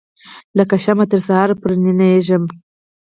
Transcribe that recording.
لکه شمعه تر سهار پوري ننیږم